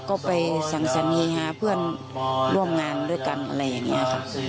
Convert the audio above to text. ก็ไปสั่งสนีหาเพื่อนร่วมงานด้วยกันอะไรอย่างนี้ค่ะ